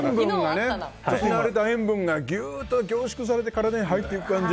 失われた塩分がギュッと凝縮されて体に入っていく感じ。